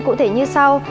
cụ thể như sau